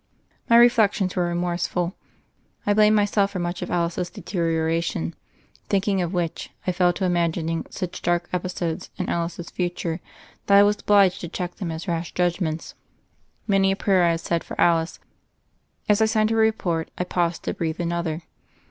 My reflections were remorseful. I blamed myself for much of Alice's deterioration ; think ing of which, I fell to imagining such dark epi sodes in Alice's future that I was obliged to check them as rash judgments. Many a prayer had I said for Alice: as I signed her report, I paused to breathe another.